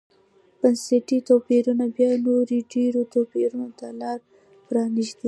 بنسټي توپیرونه بیا نورو ډېرو توپیرونو ته لار پرانېزي.